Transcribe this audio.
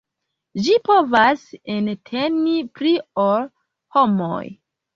Ĝi povas enteni pli ol homoj.